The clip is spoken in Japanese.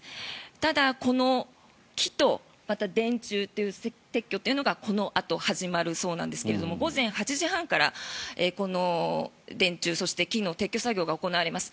ただ、この木と電柱の撤去というのがこのあと始まるそうなんですが午前８時半からこの電柱、木の撤去作業が行われます。